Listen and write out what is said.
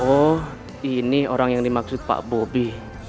oh ini orang yang dimaksud pak bobi